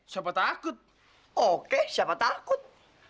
siapa takut oke siapa takut